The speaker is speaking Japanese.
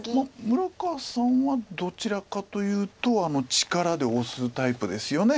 村川さんはどちらかというと力で押すタイプですよね。